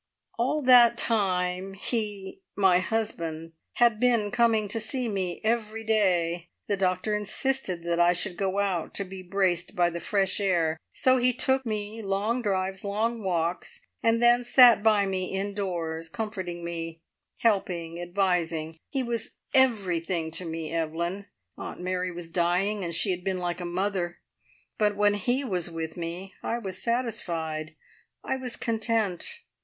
"All that time he my husband had been coming to see me every day. The doctor insisted that I should go out to be braced by the fresh air, so he took me long drives, long walks, and then sat by me indoors, comforting me, helping, advising. He was everything to me, Evelyn! Aunt Mary was dying, and she had been like a mother, but when he was with me I was satisfied; I was content.